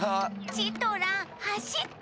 チトランはしって！